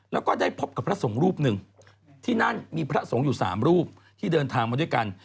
แล้วก็ได้พบกับพระสงฆ์รูปหนึ่งที่นั่นมีพระสงฆ์อยู่๓รูปที่เดินทางมาด้วยกัน